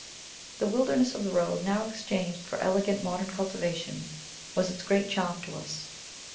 The wildness of the road, now exchanged for elegant modern cultivation, was its great charm to us.